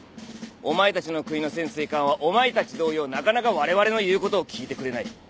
お前たちの国の潜水艦はお前たち同様なかなかわれわれの言うことを聞いてくれない。